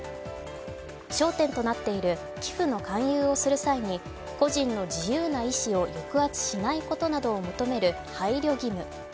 焦点となっている寄付の勧誘をする際に個人の自由な意思を抑圧しないことなどを求める配慮義務。